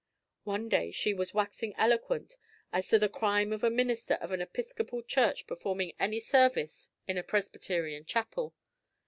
One day she was waxing eloquent as to the crime of a minister of an Episcopal church performing any service in a Presbyterian chapel.